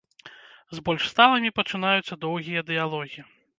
З больш сталымі пачынаюцца доўгія дыялогі.